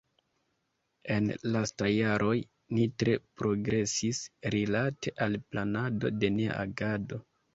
En lastaj jaroj ni tre progresis rilate al planado de nia agado.